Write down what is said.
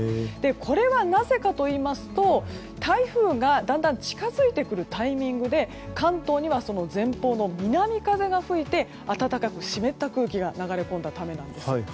これはなぜかといいますと台風がだんだん近づいてくるタイミングで関東には南風が吹いて暖かく湿った空気が流れ込んだためなんです。